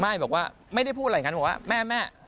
บอกว่าไม่ได้พูดอะไรอย่างนั้นบอกว่าแม่